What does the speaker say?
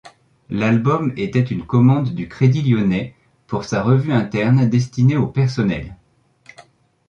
L'album était une commande du Crédit lyonnais, pour sa revue interne destinée au personnel.